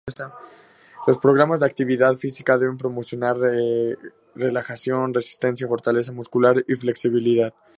Los programas de actividad física deben proporcionar relajación, resistencia, fortaleza muscular y flexibilidad.